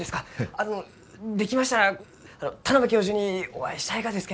あのできましたら田邊教授にお会いしたいがです